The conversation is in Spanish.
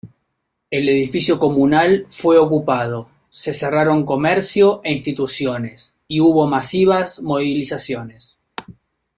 El edificio comunal fue ocupado, se cerraron comercio e instituciones y hubo masivas movilizaciones.